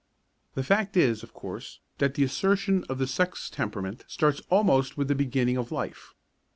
The fact is, of course, that the assertion of the sex temperament starts almost with the beginning of life.